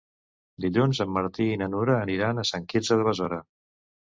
Dilluns en Martí i na Nura aniran a Sant Quirze de Besora.